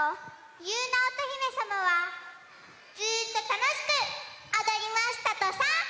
ゆうなおとひめさまはずっとたのしくおどりましたとさ！